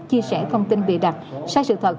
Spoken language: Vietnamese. chia sẻ thông tin bị đặt sai sự thật